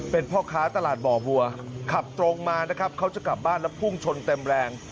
เป็นพ่อค้าตลาดบ่อบัวขับตรงมานะครับเขาจะกลับบ้านแล้วพุ่งชนเต็มแรง